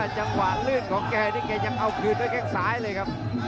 จังหวะลื่นของแกนี่แกยังเอาคืนด้วยแข้งซ้ายเลยครับ